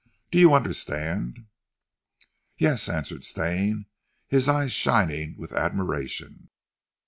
Do you understand?" "Yes," answered Stane, his eyes shining with admiration.